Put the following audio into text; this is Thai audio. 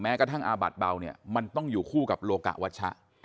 กระทั่งอาบัดเบาเนี่ยมันต้องอยู่คู่กับโลกะวัชชะ